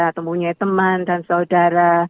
atau mempunyai teman dan saudara